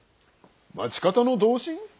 町方の同心？